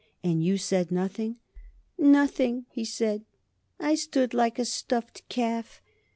"And you said nothing?" "Nothing," he said. "I stood like a stuffed calf.